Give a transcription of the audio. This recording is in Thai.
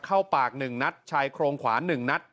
เข้าปาก๑นัดชายโครงขวา๑นัด